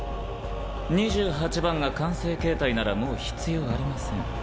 二十八番が完成形態ならもう必要ありません。